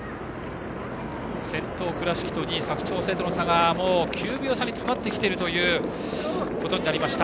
先頭、倉敷と２位、佐久長聖との差がもう９秒差に詰まってきたことになりました。